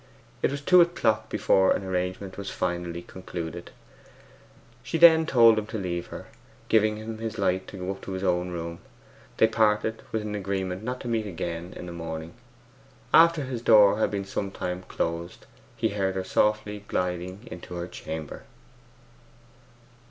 It was two o'clock before an arrangement was finally concluded. She then told him to leave her, giving him his light to go up to his own room. They parted with an agreement not to meet again in the morning. After his door had been some time closed he heard her softly gliding into her chamber.